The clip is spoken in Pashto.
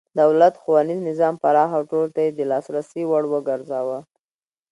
دولت ښوونیز نظام پراخ او ټولو ته د لاسرسي وړ وګرځاوه.